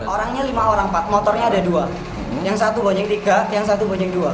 orangnya lima orang empat motornya ada dua yang satu bonjeng tiga yang satu bonjeng dua